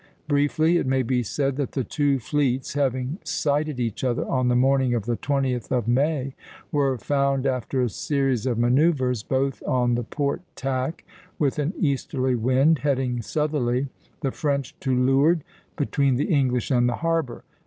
Briefly, it may be said that the two fleets, having sighted each other on the morning of the 20th of May, were found after a series of manoeuvres both on the port tack, with an easterly wind, heading southerly, the French to leeward, between the English and the harbor.